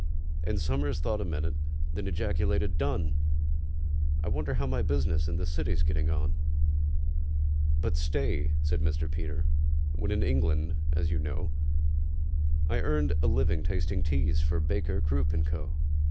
And SOMERS thought a minute, then ejaculated, "Done! I wonder how my business in the City's getting on?" "But stay," said Mr. PETER: "when in England, as you know, I earned a living tasting teas for BAKER, CROOP, AND CO.